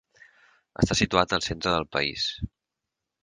Està situat al centre del país.